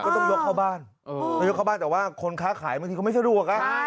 ก็ต้องยกเข้าบ้านแต่ว่าคนค้าขายบางทีก็ไม่สะดวกอ่ะ